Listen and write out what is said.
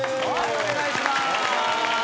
お願いします。